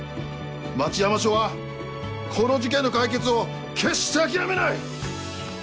町山署はこの事件の解決を決して諦めない！